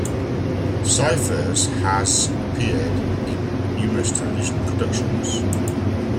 Cyphers has appeared in numerous television productions.